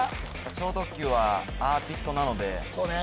超特急はアーティストなのでそうね